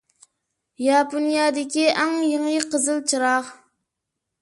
ياپونىيەدىكى ئەڭ يېڭى قىزىل چىراغ.